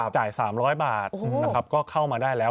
จ่าย๓๐๐บาทก็เข้ามาได้แล้ว